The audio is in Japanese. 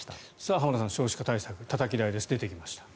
浜田さん、少子化対策たたき台です、出てきました。